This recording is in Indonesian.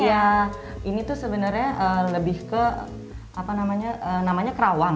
iya ini tuh sebenarnya lebih ke apa namanya kerawang